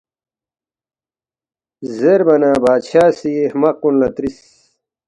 زیربا نہ بادشاہ سی ہرمق کُن لہ ترِس،